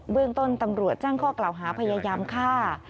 เรื่องต้นตำรวจแจ้งข้อกล่าวหาพยายามฆ่า